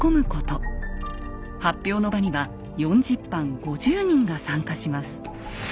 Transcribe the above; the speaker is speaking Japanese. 発表の場には４０藩５０人が参加します。